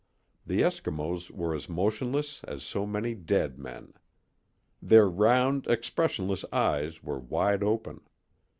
The Eskimos were as motionless as so many dead men. Their round, expressionless eyes were wide open.